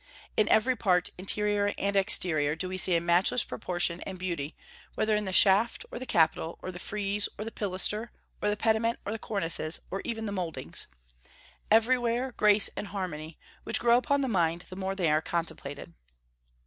In every part, interior and exterior, do we see a matchless proportion and beauty, whether in the shaft or the capital or the frieze or the pilaster or the pediment or the cornices, or even the mouldings, everywhere grace and harmony, which grow upon the mind the more they are contemplated.